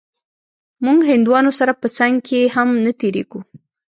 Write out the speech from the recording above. موږ هندوانو سره په څنگ کښې هم نه تېرېږو.